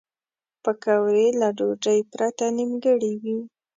پکورې له ډوډۍ پرته نیمګړې وي